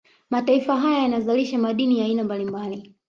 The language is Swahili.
Mataifa haya yanazalisha madini ya aina mbalimbali